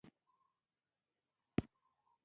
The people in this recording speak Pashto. هغه وویل: د ښه بخت په هیله یې یم، خدای یې مرسته وکړي.